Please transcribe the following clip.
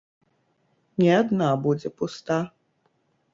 Не адна будзе пуста.